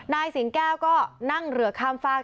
นายสิงแก้วก็นั่งเรือข้ามฝาก